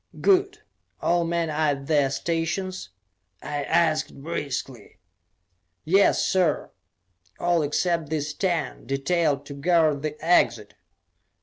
"Good. All men are at their stations?" I asked briskly. "Yes, sir! All except these ten, detailed to guard the exit."